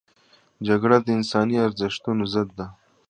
جګړه د انساني ارزښتونو ضد ده